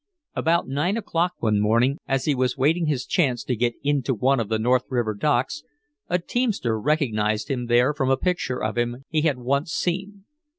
About nine o'clock one morning, as he was waiting his chance to get into one of the North River docks, a teamster recognized him there from a picture of him he had once seen.